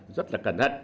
rất là cẩn thận